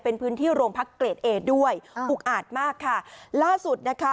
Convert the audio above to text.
เป็นพื้นที่โรงพักเกรดเอด้วยอุกอาจมากค่ะล่าสุดนะคะ